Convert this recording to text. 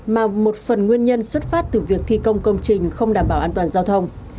mà một phần nguyên nhân xuất phát từ việc thi công công trình không đảm bảo an toàn giao thông